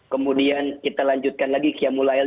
kemudian kita lanjutkan lagi qiyamul a'il